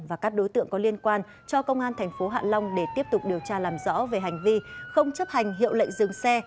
và các đối tượng có liên quan cho công an tp hạ long để tiếp tục điều tra làm rõ về hành vi không chấp hành hiệu lệnh dừng xe